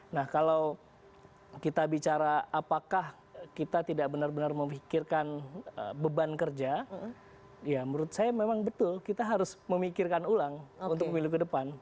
nah kalau kita bicara apakah kita tidak benar benar memikirkan beban kerja ya menurut saya memang betul kita harus memikirkan ulang untuk pemilu ke depan